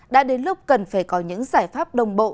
đã đến lúc cần phải có những giải pháp đồng bộ